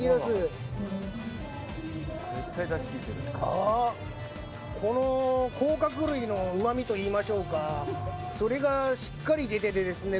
ああ、この甲殻類のうまみといいましょうかそれがしっかり出ててですね